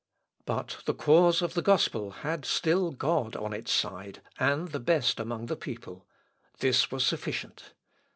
But the cause of the gospel had still God on its side and the best among the people: this was sufficient.